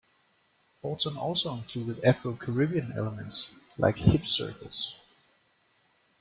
Horton also included Afro-Caribbean elements, like hip circles.